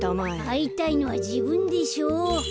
あいたいのはじぶんでしょう。